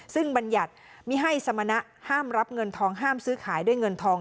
ซึ่งบัญญัติมิให้สมณะห้ามรับเงินทองห้ามซื้อขายด้วยเงินทอง